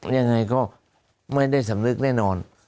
ยังไงก็ไม่ได้สำนึกแน่นอน